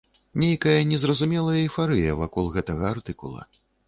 Нейкая незразумелая эйфарыя вакол гэтага артыкула.